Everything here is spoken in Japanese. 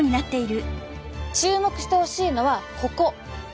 注目してほしいのはここ。